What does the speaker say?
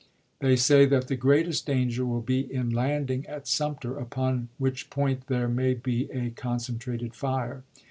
They say that the greatest danger will be in landing at Sumter, upon which point there may be a concentrated fire.